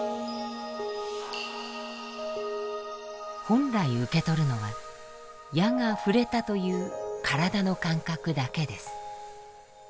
本来受け取るのは矢が触れたという体の感覚だけです。